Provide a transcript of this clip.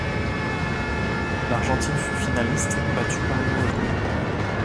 L'Argentine fut finaliste, battue par l'Uruguay.